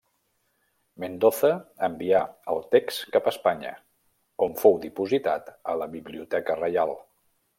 Mendoza envià el text cap a Espanya, on fou dipositat a la Biblioteca Reial.